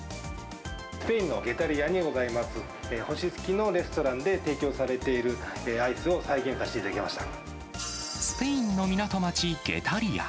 スペインのゲタリアにございます、星付きのレストランで提供されているアイスを再現させていただきスペインの港町ゲタリア。